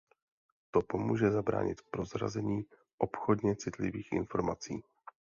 To pomůže zabránit prozrazení obchodně citlivých informací.